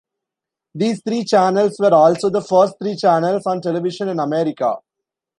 These three channels were also the first three channels on Television in America.